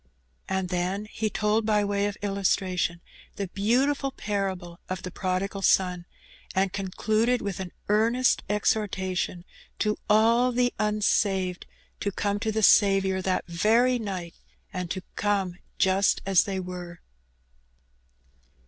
And then he told, by way of illustration, the beautiful parable of the Prodigal Son, and concluded with an earnest exhortation to all the unsaved to come to the Saviour that very night, and to come just as they were.